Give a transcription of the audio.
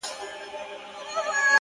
نوريې دلته روزي و ختمه سوې-